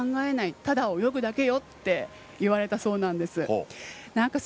ただ泳ぐだけよって言われたそうなんです。